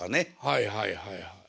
はいはいはいはい。